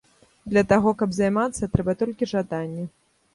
Для таго, каб займацца, трэба толькі жаданне.